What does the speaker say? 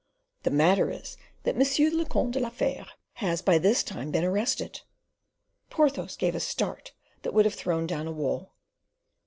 "The matter is, that Monsieur le Comte de la Fere has by this time been arrested." Porthos gave a start that would have thrown down a wall.